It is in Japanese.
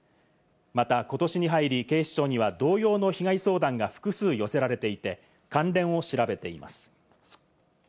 また今年に入り、警視庁には同様の被害相談が複数寄せられていて、関連を調べています。